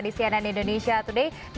di cnn indonesia today